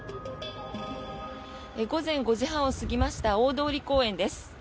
午前５時半を過ぎました大通公園です。